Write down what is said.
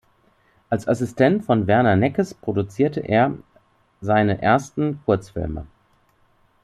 Als Assistent von Werner Nekes produzierte er seine ersten Kurzfilme.